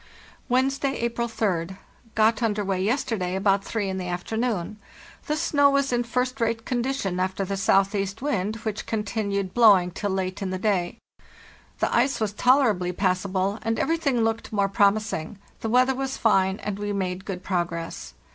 "Wednesday, April 3d. Got under way yesterday about three in the afternoon. The snow was in first rate condition after the southeast wind, which continued blowing till late in the day. The ice was _ tolerably passable, and everything looked more promising; the weather was fine, and we made good progress.